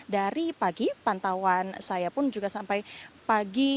dari pagi pantauan saya pun juga sampai pagi